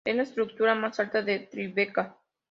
Es la estructura más alta de Tribeca.